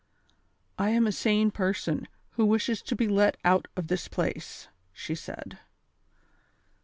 "I am a sane person, wlio wishes to be let out of this place," she said.